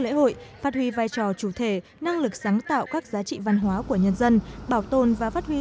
lễ hội phát huy vai trò chủ thể năng lực sáng tạo các giá trị văn hóa của nhân dân bảo tồn và phát huy